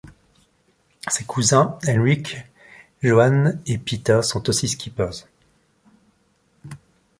Ses cousins, Henrik, Johan et Peter, sont aussi skippers.